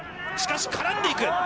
しかし、絡んでいく。